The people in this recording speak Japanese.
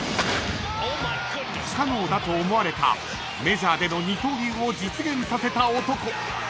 ［不可能だと思われたメジャーでの二刀流を実現させた男